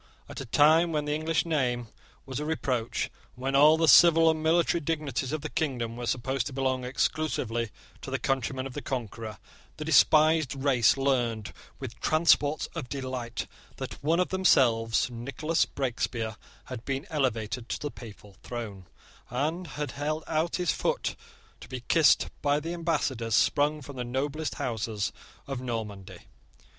At a time when the English name was a reproach, and when all the civil and military dignities of the kingdom were supposed to belong exclusively to the countrymen of the Conqueror, the despised race learned, with transports of delight, that one of themselves, Nicholas Breakspear, had been elevated to the papal throne, and had held out his foot to be kissed by ambassadors sprung from the noblest houses of Normandy.